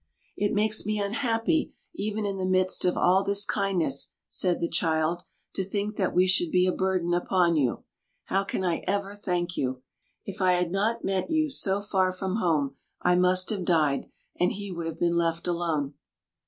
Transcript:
"It makes me unhappy, even in the midst of all this kindness," said the child, "to think that we should be a burden upon you. How can I ever thank you? If I had not met you so far from home I must have died, and he would have been left alone."